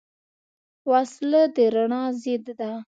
وسله د رڼا ضد ده